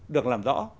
được làm rõ